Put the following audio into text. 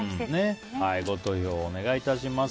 ご投票お願いします。